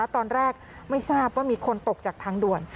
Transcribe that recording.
ตอนแรกไม่ทราบว่ามีคนตกจากทางด่วน